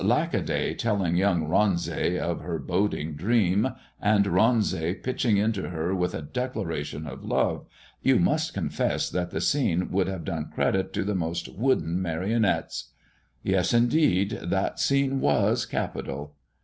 Lackaday telling young Ronsay of her boding dream, and Ronsay pitching into her with a declaration of love you must confess that the scene would have done credit to the most wooden marionettes." "Yes, indeed! That scene was capital!"